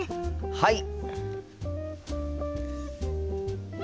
はい！